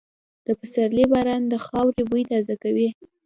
د پسرلي باران د خاورې بوی تازه کوي.